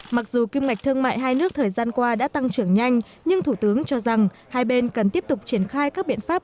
mặc dù kim ngạch thương mại hai nước thời gian qua đã tăng trưởng nhanh nhưng thủ tướng cho rằng hai bên cần tiếp tục triển khai các biện pháp